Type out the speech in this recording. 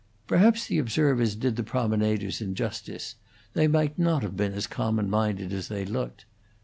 Perhaps the observers did the promenaders injustice; they might not have been as common minded as they looked.